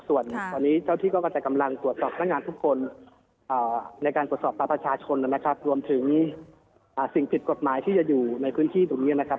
ส่วนตอนนี้เจ้าที่ก็กระจายกำลังตรวจสอบพนักงานทุกคนในการตรวจสอบปลาประชาชนนะครับรวมถึงสิ่งผิดกฎหมายที่จะอยู่ในพื้นที่ตรงนี้นะครับ